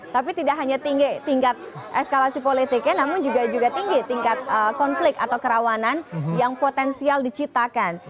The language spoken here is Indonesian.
tapi tidak hanya tingkat eskalasi politiknya namun juga tinggi tingkat konflik atau kerawanan yang potensial diciptakan